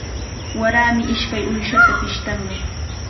Warami ishkay uyshata pishtanqa.